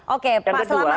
oke pak selamat